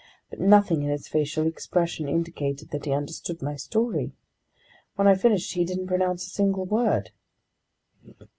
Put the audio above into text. But nothing in his facial expression indicated that he understood my story. When I finished, he didn't pronounce a single word.